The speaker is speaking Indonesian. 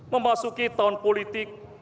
memasuki tahun politik